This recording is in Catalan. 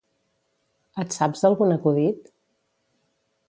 Et saps algun acudit?